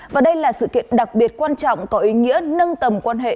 và đây là sự kiện đặc biệt quan trọng có ý nghĩa nâng tầm quan hệ